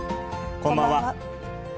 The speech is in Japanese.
こんばんは。